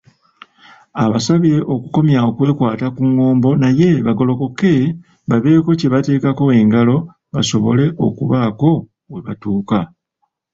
Abasabye okukomya okwekwata ku ng'ombo naye bagolokoke babeeko kye bateekako engalo basobole okubaako webatuuka.